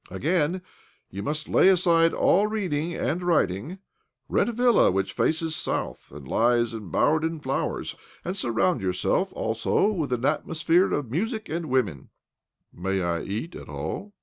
Again, you must lay aside all reading and writing. Rent a villa which faces south and lies embowered in flowers, and surround your self also with an atmosphere of music and women." — "And may I eat at all?"